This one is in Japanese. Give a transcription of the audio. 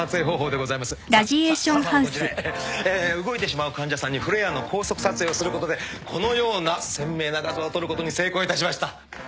えー動いてしまう患者さんにＦＬＡＩＲの高速撮影をすることでこのような鮮明な画像を撮ることに成功いたしました。